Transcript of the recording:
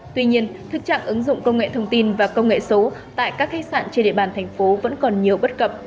tuy nhiên thực trạng ứng dụng công nghệ thông tin và công nghệ số tại các khách sạn trên địa bàn thành phố vẫn còn nhiều bất cập